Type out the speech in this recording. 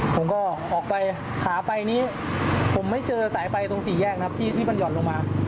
ผมก็ออกไปขาไปนี้ผมไม่เจอสายไฟตรงสี่แยกนะครับที่มันห่อนลงมา